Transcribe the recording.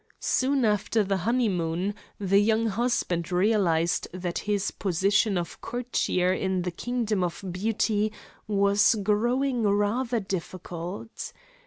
Soon after the honeymoon the young husband realised that his position of courtier in the kingdom of beauty was growing rather difficult.